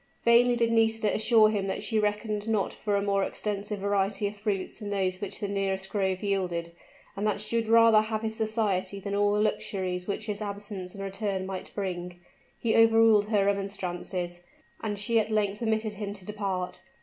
Vainly did Nisida assure him that she reckoned not for a more extensive variety of fruits than those which the nearest grove yielded, and that she would rather have his society than all the luxuries which his absence and return might bring; he overruled her remonstrances and she at length permitted him to depart.